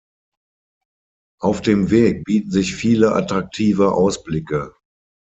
Auf dem Weg bieten sich viele attraktive Ausblicke.